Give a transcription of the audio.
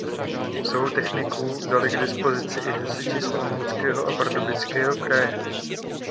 Svou techniku dali k dispozici i hasiči z Olomouckého a Pardubického kraje.